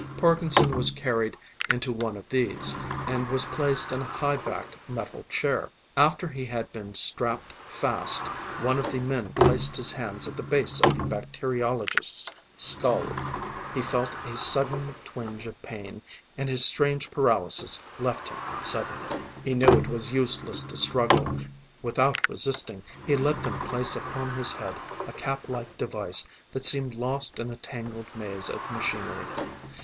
Parkinson was carried into one of these, and was placed in a high backed metal chair. After he had been strapped fast, one of the men placed his hands at the base of the bacteriologist's skull; he felt a sudden twinge of pain; and his strange paralysis left him suddenly. He knew it was useless to struggle; without resisting, he let them place upon his head a cap like device that seemed lost in a tangled maze of machinery.